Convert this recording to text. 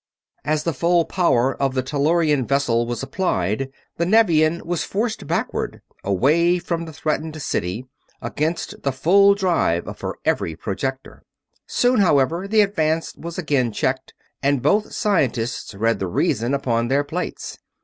As the full power of the Tellurian vessel was applied the Nevian was forced backward, away from the threatened city, against the full drive of her every projector. Soon, however, the advance was again checked, and both scientists read the reason upon their plates.